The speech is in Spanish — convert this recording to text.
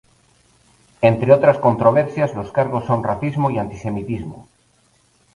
Entre otras controversias, los cargos son racismo y antisemitismo.